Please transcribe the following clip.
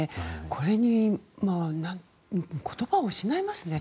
これに言葉を失いますね。